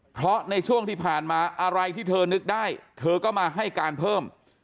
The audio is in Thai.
เพราะในช่วงที่ผ่านมาอะไรที่เธอนึกได้เธอก็มาให้การเพิ่ม